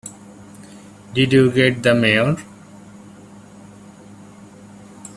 Did you get the Mayor?